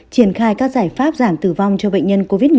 triển khai các giải pháp giảm tử vong cho bệnh nhân covid một mươi chín